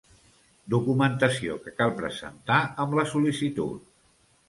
Documentació que cal presentar amb la sol·licitud.